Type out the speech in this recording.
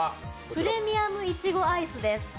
プレミアム苺アイスです。